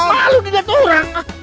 malu dilihat orang